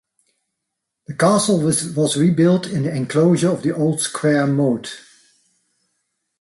The castle was rebuilt in the enclosure of the old square moat.